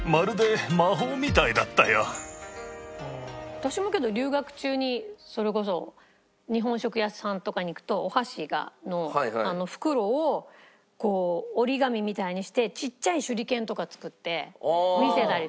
私もけど留学中にそれこそ日本食屋さんとかに行くとお箸の袋をこう折り紙みたいにしてちっちゃい手裏剣とか作って見せたりとか。